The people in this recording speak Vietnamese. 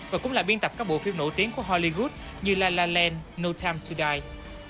và cũng là biên tập các bộ phim nổi tiếng của hollywood như la la land no time to die